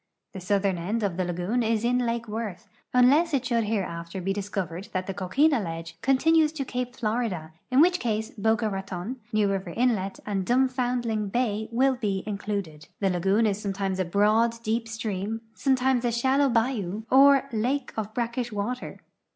The southern end of the lagoon is in lake Worth, unless it should liereafter he dis covered that the coquina ledge continues to ca[>e Florida, in which case Boca Raton, New River inlet, and r)uml)foundling hay will he included. The lagoon is sometimes a broad, deoj) stream, sometimes a shallow bayou or lake of brackish water.